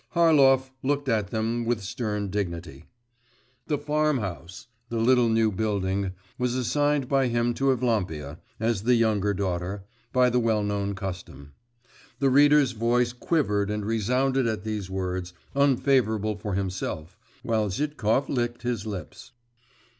Harlov looked at them with stern dignity. 'The farm house' (the little new building) was assigned by him to Evlampia, as the younger daughter, 'by the well known custom.' The reader's voice quivered and resounded at these words, unfavourable for himself; while Zhitkov licked his lips.